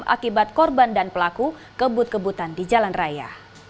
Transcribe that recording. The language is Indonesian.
akibat korban dan pelaku kebut kebutan di jalan raya